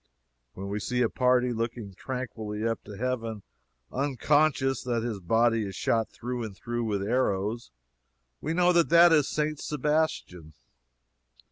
When we see a party looking tranquilly up to heaven, unconscious that his body is shot through and through with arrows, we know that that is St. Sebastian.